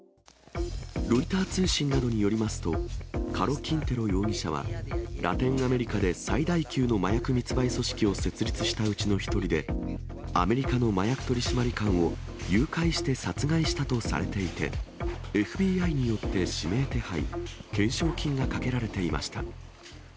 ロイター通信などによりますと、カロ・キンテロ容疑者は、ラテンアメリカで最大級の麻薬密売組織を設立したうちの一人で、アメリカの麻薬取締官を誘拐して殺害したとされていて、ＦＢＩによって指名手配、懸賞金がかけられていました。